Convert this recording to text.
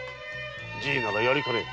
じいならやりかねん。